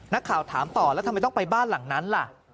นักข่าวถามต่อแล้วทำไมต้องไปบ้านหลังนั้นล่ะ